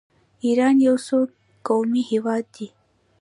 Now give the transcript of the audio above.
ایران یو څو قومي هیواد دی.